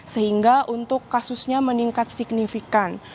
sehingga untuk kasusnya meningkat signifikan